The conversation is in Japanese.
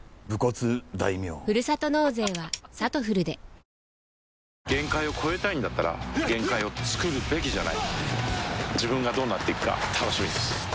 アサヒの緑茶「颯」限界を越えたいんだったら限界をつくるべきじゃない自分がどうなっていくか楽しみです